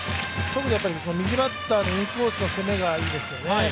特に右バッターのインコースの攻めがいいですよね。